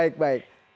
ya kan begitu